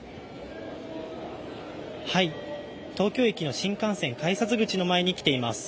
東京駅の新幹線改札口の前に来ています。